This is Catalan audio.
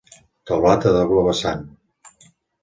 Teulat a doble vessant.